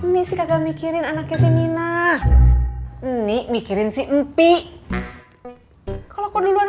pi kalau aku dulu anak sama si andre gimana malu kan